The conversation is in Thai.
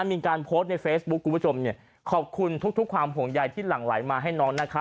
มีการโพสต์ในเฟซบุ๊คคุณผู้ชมเนี่ยขอบคุณทุกความห่วงใยที่หลั่งไหลมาให้น้องนะคะ